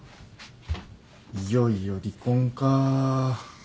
いよいよ離婚か。